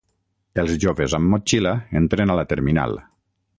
Els joves amb motxilla entren a la terminal.